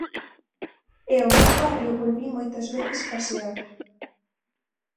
E ao meu barrio volvín moitas veces pasear.